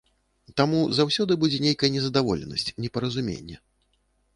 Таму заўсёды будзе нейкая незадаволенасць, непаразуменне.